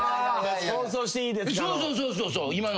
「放送していいですか」の。